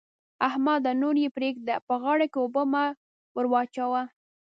احمده! نور يې پرېږده؛ په غار کې اوبه مه وراچوه.